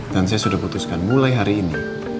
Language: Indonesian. dan saya sudah putuskan mulai hari ini